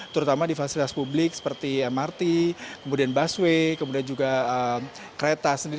terutama di fasilitas publik seperti mrt kemudian busway kemudian juga kereta sendiri